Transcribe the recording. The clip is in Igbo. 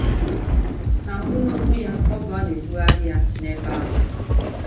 Na mbụ n'okwu ya oge ọ na-edugharị ya n'ebe ahụ